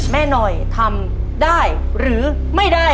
แม่หน่อยทำได้หรือไม่ได้